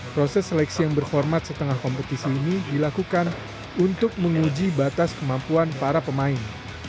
proses seleksi yang berformat setengah kompetisi ini dilakukan untuk menguji batas kemampuan para pemain